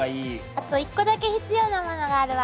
あと一個だけ必要なものがあるわ！